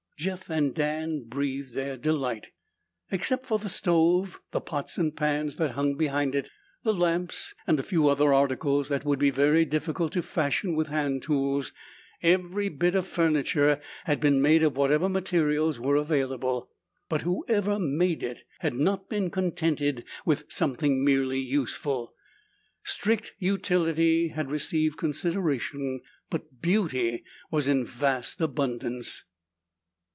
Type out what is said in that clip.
Jeff and Dan breathed their delight. Except for the stove, the pots and pans that hung behind it, the lamps, and a few other articles that would be very difficult to fashion with hand tools, every bit of furniture had been made of whatever materials were available. But whoever made it had not been contented with something merely useful. Strict utility had received consideration, but beauty was in vast abundance.